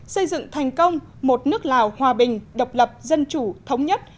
xây dựng thành công một nước lào hòa bình độc lập dân chủ thống nhất